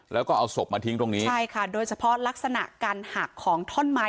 แล้วก็เอาศพมาทิ้งตรงนี้ใช่ค่ะโดยเฉพาะลักษณะการหักของท่อนไม้